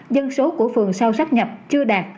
dân số của phường sau sắp nhập chưa đạt